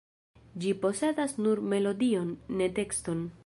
Ĝi posedas nur melodion, ne tekston.